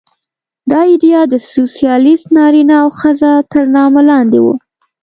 دا ایډیا د سوسیالېست نارینه او ښځه تر نامه لاندې وه